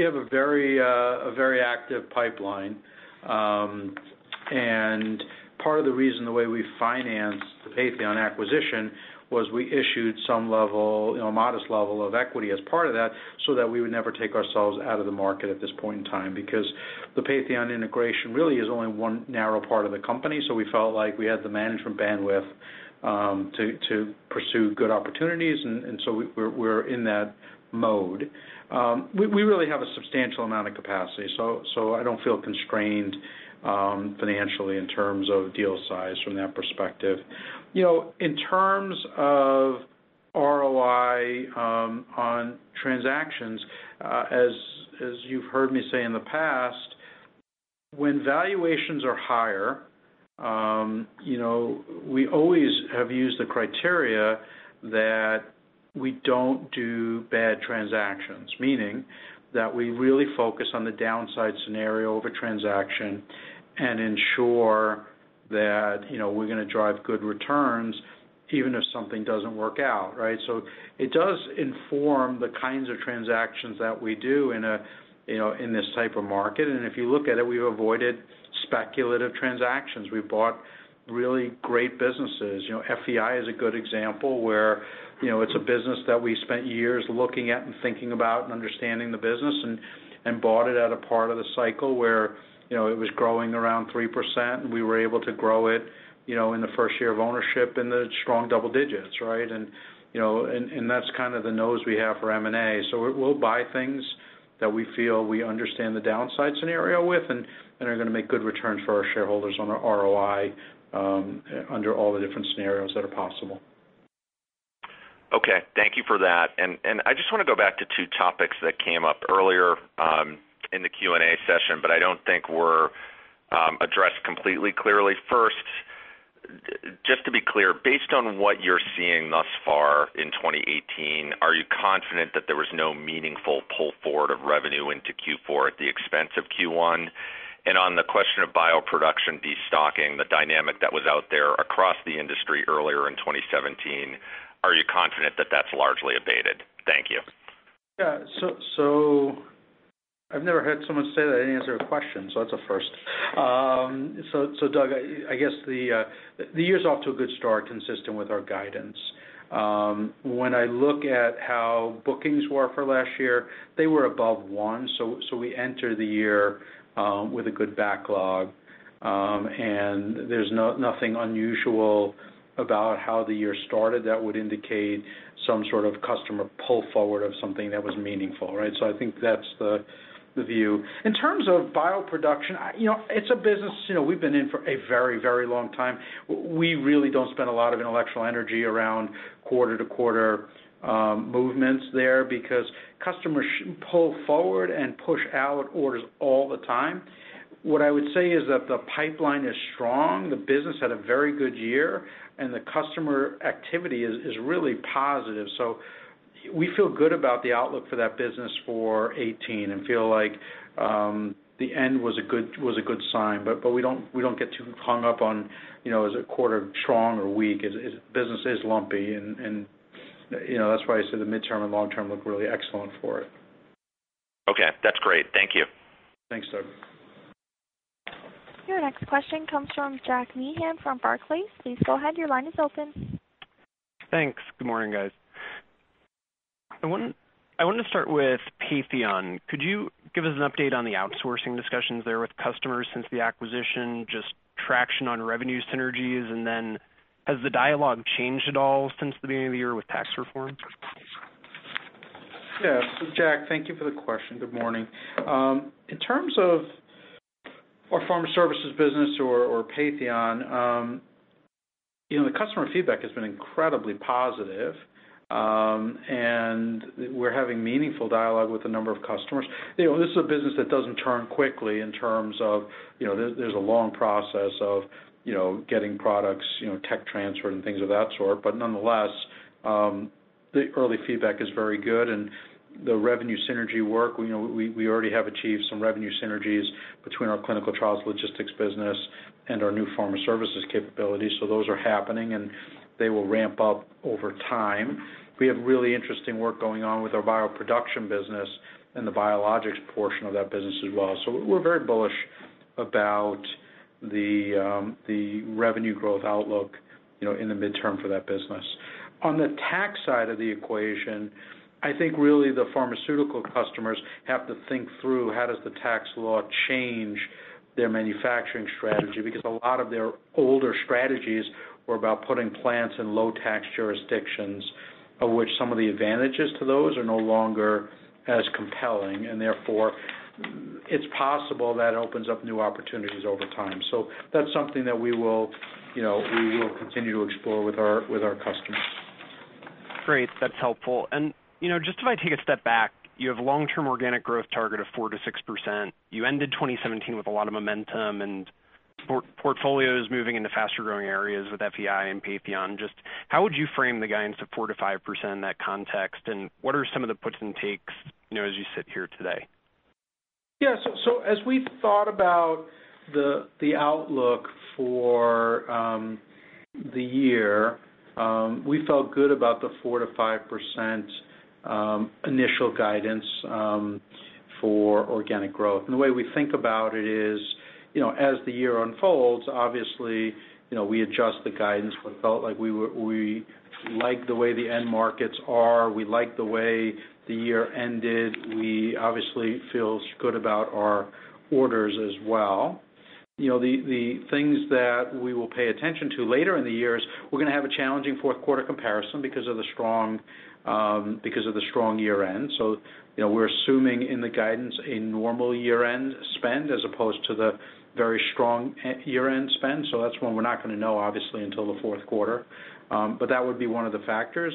have a very active pipeline. Part of the reason the way we financed the Patheon acquisition was we issued a modest level of equity as part of that so that we would never take ourselves out of the market at this point in time. Because the Patheon integration really is only one narrow part of the company, we felt like we had the management bandwidth to pursue good opportunities, and so we're in that mode. We really have a substantial amount of capacity, I don't feel constrained financially in terms of deal size from that perspective. In terms of ROI on transactions, as you've heard me say in the past, when valuations are higher, we always have used the criteria that we don't do bad transactions, meaning that we really focus on the downside scenario of a transaction and ensure that we're going to drive good returns even if something doesn't work out. Right? It does inform the kinds of transactions that we do in this type of market. If you look at it, we've avoided speculative transactions. We've bought really great businesses. FEI is a good example, where it's a business that we spent years looking at and thinking about and understanding the business, and bought it at a part of the cycle where it was growing around 3%, and we were able to grow it in the first year of ownership in the strong double digits. Right? That's kind of the nose we have for M&A. We'll buy things that we feel we understand the downside scenario with and are going to make good returns for our shareholders on our ROI under all the different scenarios that are possible. Okay. Thank you for that. I just want to go back to two topics that came up earlier in the Q&A session, but I don't think were addressed completely clearly. First, just to be clear, based on what you're seeing thus far in 2018, are you confident that there was no meaningful pull forward of revenue into Q4 at the expense of Q1? On the question of bioproduction destocking, the dynamic that was out there across the industry earlier in 2017, are you confident that that's largely abated? Thank you. Yeah. I've never had someone say that I didn't answer a question, so that's a first. Doug, I guess the year's off to a good start, consistent with our guidance. When I look at how bookings were for last year, they were above one, so we enter the year with a good backlog. There's nothing unusual about how the year started that would indicate some sort of customer pull forward of something that was meaningful. Right? I think that's the view. In terms of bioproduction, it's a business we've been in for a very long time. We really don't spend a lot of intellectual energy around quarter-to-quarter movements there because customers pull forward and push out orders all the time. What I would say is that the pipeline is strong, the business had a very good year, and the customer activity is really positive. We feel good about the outlook for that business for 2018, and feel like the end was a good sign. We don't get too hung up on, is a quarter strong or weak? Business is lumpy, and that's why I said the midterm and long term look really excellent for it. Okay. That's great. Thank you. Thanks, Doug. Your next question comes from Jack Meehan from Barclays. Please go ahead, your line is open. Thanks. Good morning, guys. I wanted to start with Patheon. Could you give us an update on the outsourcing discussions there with customers since the acquisition, just traction on revenue synergies? Has the dialogue changed at all since the beginning of the year with tax reform? Jack, thank you for the question. Good morning. In terms of our pharma services business or Patheon, the customer feedback has been incredibly positive, and we're having meaningful dialogue with a number of customers. This is a business that doesn't turn quickly in terms of there's a long process of getting products tech transferred and things of that sort. But nonetheless, the early feedback is very good, and the revenue synergy work, we already have achieved some revenue synergies between our clinical trials logistics business And our new pharma services capabilities. Those are happening, and they will ramp up over time. We have really interesting work going on with our bioproduction business and the biologics portion of that business as well. We're very bullish about the revenue growth outlook in the midterm for that business. On the tax side of the equation, I think really the pharmaceutical customers have to think through how does the tax law change their manufacturing strategy, because a lot of their older strategies were about putting plants in low tax jurisdictions, of which some of the advantages to those are no longer as compelling. Therefore, it's possible that opens up new opportunities over time. That's something that we will continue to explore with our customers. Great. That's helpful. Just if I take a step back, you have long-term organic growth target of 4%-6%. You ended 2017 with a lot of momentum and portfolios moving into faster-growing areas with FEI and Patheon. Just how would you frame the guidance of 4%-5% in that context, and what are some of the puts and takes as you sit here today? As we've thought about the outlook for the year, we felt good about the 4%-5% initial guidance for organic growth. The way we think about it is, as the year unfolds, obviously, we adjust the guidance. We felt like we like the way the end markets are. We like the way the year ended. We obviously feel good about our orders as well. The things that we will pay attention to later in the year is we're going to have a challenging fourth quarter comparison because of the strong year-end. We're assuming in the guidance a normal year-end spend as opposed to the very strong year-end spend. That's one we're not going to know, obviously, until the fourth quarter. That would be one of the factors.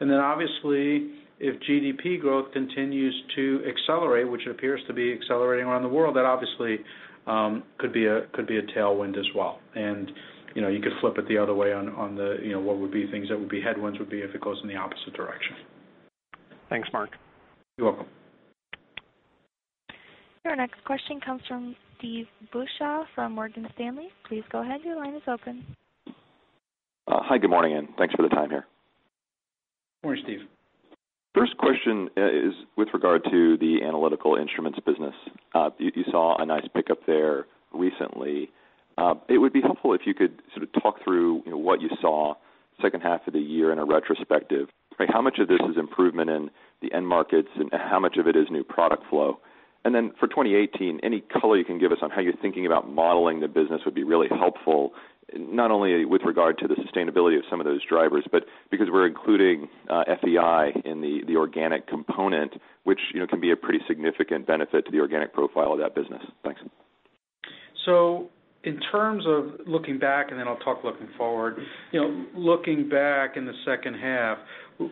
Obviously, if GDP growth continues to accelerate, which appears to be accelerating around the world, that obviously could be a tailwind as well. You could flip it the other way on what would be things that would be headwinds would be if it goes in the opposite direction. Thanks, Marc. You're welcome. Your next question comes from Steve Beuchaw from Morgan Stanley. Please go ahead. Your line is open. Hi, good morning, thanks for the time here. Morning, Steve. First question is with regard to Analytical Instruments business. You saw a nice pickup there recently. It would be helpful if you could sort of talk through what you saw second half of the year in a retrospective. How much of this is improvement in the end markets, and how much of it is new product flow? For 2018, any color you can give us on how you're thinking about modeling the business would be really helpful, not only with regard to the sustainability of some of those drivers, but because we're including FEI in the organic component, which can be a pretty significant benefit to the organic profile of that business. Thanks. In terms of looking back, I'll talk looking forward. Looking back in the second half,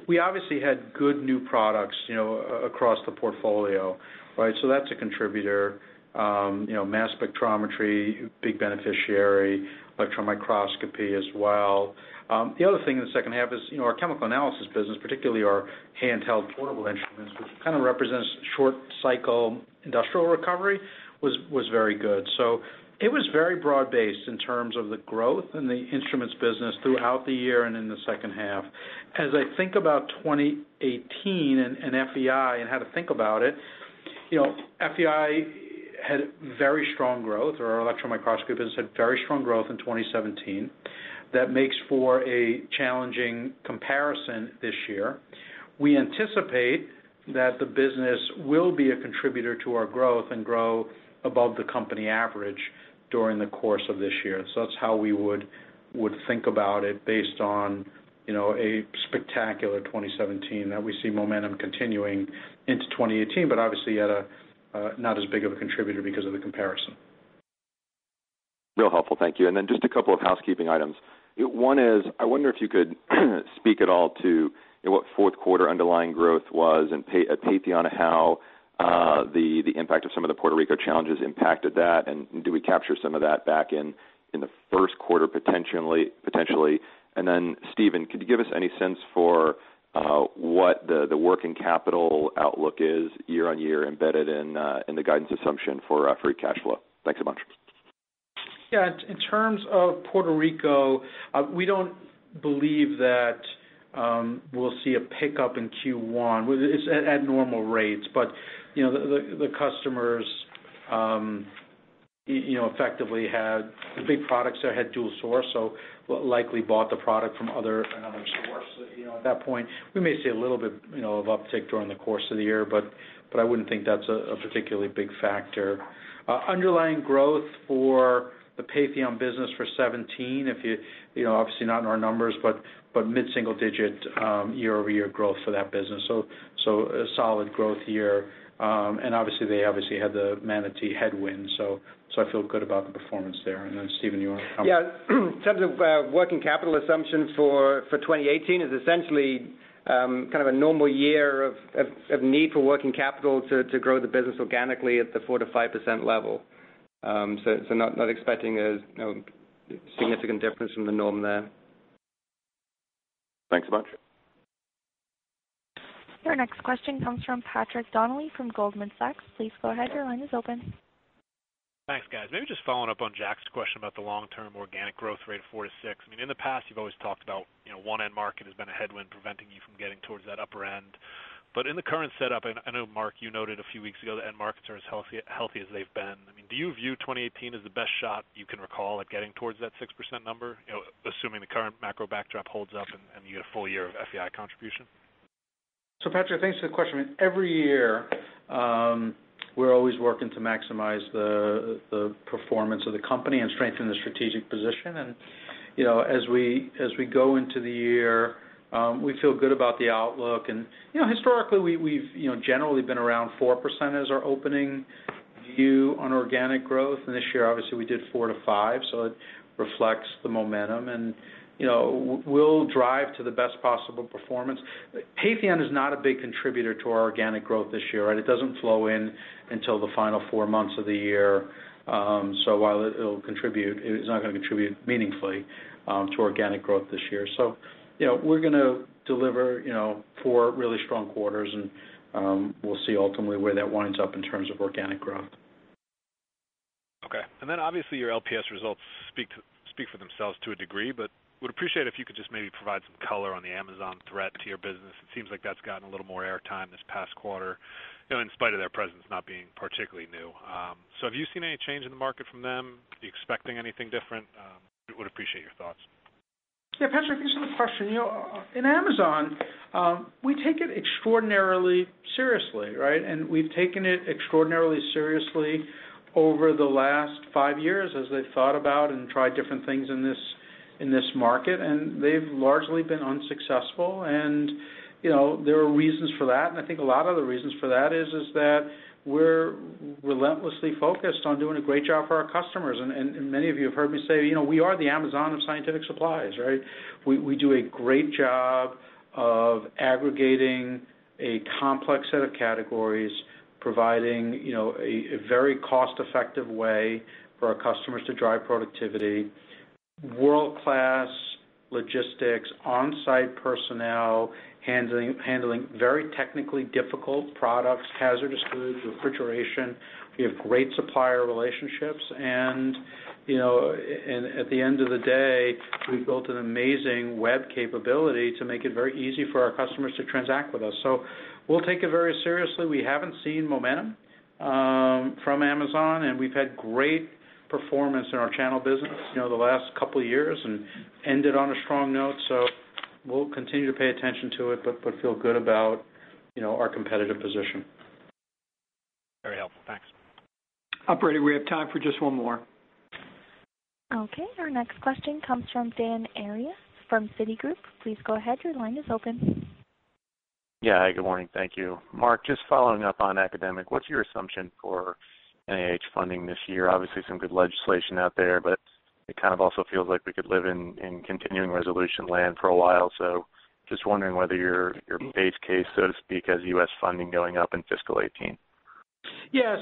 we obviously had good new products across the portfolio. That's a contributor. Mass spectrometry, big beneficiary. Electron microscopy as well. The other thing in the second half is our chemical analysis business, particularly our handheld portable instruments, which kind of represents short cycle industrial recovery, was very good. It was very broad-based in terms of the growth in the instruments business throughout the year and in the second half. As I think about 2018 and FEI and how to think about it, FEI had very strong growth, or our electron microscopy business had very strong growth in 2017. That makes for a challenging comparison this year. We anticipate that the business will be a contributor to our growth and grow above the company average during the course of this year. That's how we would think about it based on a spectacular 2017. Now we see momentum continuing into 2018, but obviously at a not as big of a contributor because of the comparison. Real helpful. Thank you. Just a couple of housekeeping items. One is, I wonder if you could speak at all to what fourth quarter underlying growth was and Patheon, how the impact of some of the Puerto Rico challenges impacted that, do we capture some of that back in the first quarter, potentially? Stephen, could you give us any sense for what the working capital outlook is year-over-year embedded in the guidance assumption for free cash flow? Thanks a bunch. In terms of Puerto Rico, we don't believe that we'll see a pickup in Q1 at normal rates. The customers effectively had the big products that had dual source, likely bought the product from another source. At that point, we may see a little bit of uptick during the course of the year, but I wouldn't think that's a particularly big factor. Underlying growth for the Patheon business for 2017, obviously not in our numbers, but mid-single digit year-over-year growth for that business. A solid growth year. Obviously, they obviously had the Manatí headwind, so I feel good about the performance there. Stephen, you want to comment? In terms of working capital assumption for 2018 is essentially kind of a normal year of need for working capital to grow the business organically at the 4%-5% level. Not expecting a significant difference from the norm there. Thanks a bunch. Your next question comes from Patrick Donnelly from Goldman Sachs. Please go ahead. Your line is open. Thanks, guys. Maybe just following up on Jack's question about the long-term organic growth rate of four to six. In the past, you've always talked about one end market has been a headwind preventing you from getting towards that upper end. I know, Marc, you noted a few weeks ago that end markets are as healthy as they've been. Do you view 2018 as the best shot you can recall at getting towards that 6% number, assuming the current macro backdrop holds up and you get a full year of FEI contribution? Patrick, thanks for the question. Every year, we're always working to maximize the performance of the company and strengthen the strategic position. As we go into the year, we feel good about the outlook. Historically, we've generally been around 4% as our opening view on organic growth. This year, obviously, we did four to five, it reflects the momentum. We'll drive to the best possible performance. Patheon is not a big contributor to our organic growth this year. It doesn't flow in until the final four months of the year. While it'll contribute, it's not going to contribute meaningfully to organic growth this year. We're going to deliver four really strong quarters, and we'll see ultimately where that winds up in terms of organic growth. Okay. Obviously, your LPS results speak for themselves to a degree, but would appreciate if you could just maybe provide some color on the Amazon threat to your business. It seems like that's gotten a little more air time this past quarter, in spite of their presence not being particularly new. Have you seen any change in the market from them? Are you expecting anything different? Would appreciate your thoughts. Yeah, Patrick, thanks for the question. In Amazon, we take it extraordinarily seriously. We've taken it extraordinarily seriously over the last five years as they've thought about and tried different things in this market, and they've largely been unsuccessful. There are reasons for that, and I think a lot of the reasons for that is that we're relentlessly focused on doing a great job for our customers. Many of you have heard me say, we are the Amazon of scientific supplies. We do a great job of aggregating a complex set of categories, providing a very cost-effective way for our customers to drive productivity, world-class logistics, on-site personnel handling very technically difficult products, hazardous goods, refrigeration. We have great supplier relationships, and at the end of the day, we've built an amazing web capability to make it very easy for our customers to transact with us. We'll take it very seriously. We haven't seen momentum from Amazon, and we've had great performance in our channel business the last couple of years and ended on a strong note. We'll continue to pay attention to it, but feel good about our competitive position. Very helpful. Thanks. Operator, we have time for just one more. Okay, our next question comes from Dan Arias from Citigroup. Please go ahead. Your line is open. Yeah. Good morning. Thank you. Marc, just following up on academic, what's your assumption for NIH funding this year? Obviously, some good legislation out there, but it kind of also feels like we could live in continuing resolution land for a while. Just wondering whether your base case, so to speak, has U.S. funding going up in fiscal 2018. Yeah.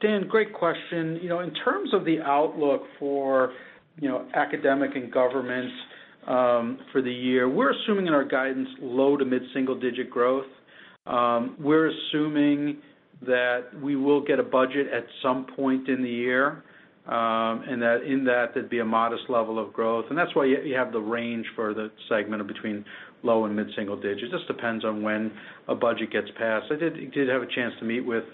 Dan, great question. In terms of the outlook for academic and government for the year, we're assuming in our guidance low to mid-single digit growth. We're assuming that we will get a budget at some point in the year, and that in that, there'd be a modest level of growth. That's why you have the range for the segment of between low and mid-single digits. Just depends on when a budget gets passed. I did have a chance to meet with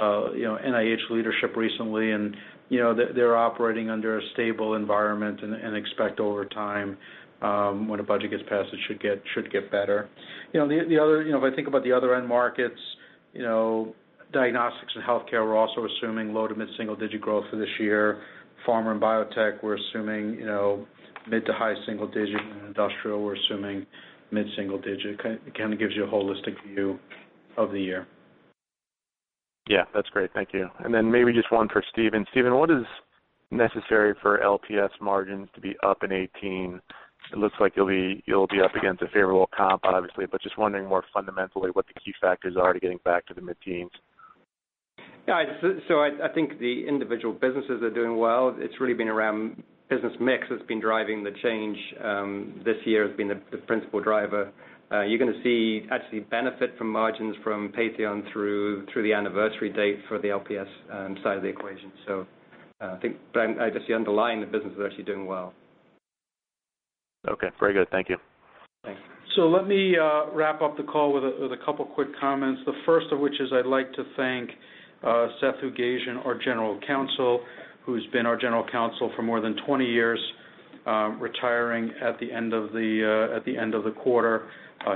NIH leadership recently, and they're operating under a stable environment and expect over time, when a budget gets passed, it should get better. If I think about the other end markets, diagnostics and healthcare, we're also assuming low to mid-single digit growth for this year. Pharma and biotech, we're assuming mid to high single digit, and industrial, we're assuming mid-single digit. It kind of gives you a holistic view of the year. Yeah, that's great. Thank you. Maybe just one for Stephen. Stephen, what is necessary for LPS margins to be up in 2018? It looks like you'll be up against a favorable comp, obviously, but just wondering more fundamentally what the key factors are to getting back to the mid-teens. Yeah, I think the individual businesses are doing well. It's really been around business mix that's been driving the change. This year has been the principal driver. You're going to see actually benefit from margins from Patheon through the anniversary date for the LPS side of the equation. I think, Dan, I guess the underlying business is actually doing well. Okay. Very good. Thank you. Thanks. Let me wrap up the call with a couple quick comments. The first of which is I'd like to thank Seth Hoogasian, our general counsel, who's been our general counsel for more than 20 years, retiring at the end of the quarter.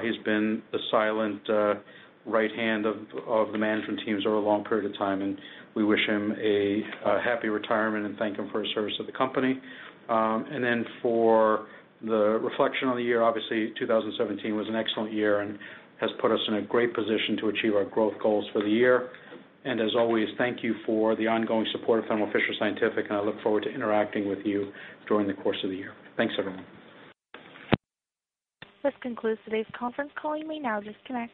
He's been the silent right hand of the management teams over a long period of time, and we wish him a happy retirement and thank him for his service to the company. For the reflection on the year, obviously, 2017 was an excellent year and has put us in a great position to achieve our growth goals for the year. As always, thank you for the ongoing support of Thermo Fisher Scientific, and I look forward to interacting with you during the course of the year. Thanks, everyone. This concludes today's conference call. You may now disconnect.